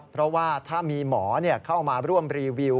เพราะว่าถ้ามีหมอเข้ามาร่วมรีวิว